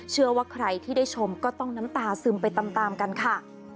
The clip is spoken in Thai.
เชื่อว่าใครที่ได้ชมก็ต้องน้ำตาซึมไปตามกันค่ะ